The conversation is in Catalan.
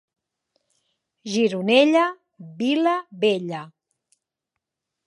Gironella, vila bella.